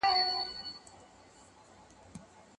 که خلک مرسته وغواړي ښه به شي.